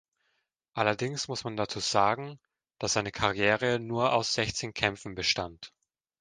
Allerdings muss man dazu sagen, dass seine Karriere nur aus sechzehn Kämpfen bestand.